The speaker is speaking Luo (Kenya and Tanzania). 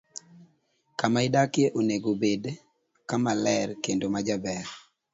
Kama idakie onego obed kama ler kendo ma jaber.